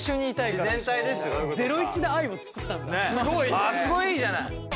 かっこいいじゃない。